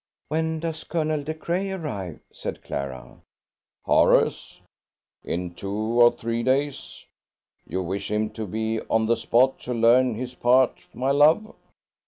"When does Colonel De Craye arrive?" said Clara. "Horace? In two or three days. You wish him to be on the spot to learn his part, my love?"